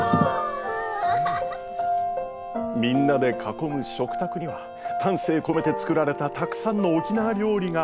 みんなで囲む食卓には丹精込めて作られたたくさんの沖縄料理が。